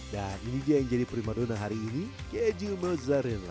dan ini dia yang jadi prima donna hari ini keju mozzarella